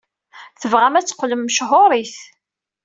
Tebɣam ad teqqlem mechuṛit.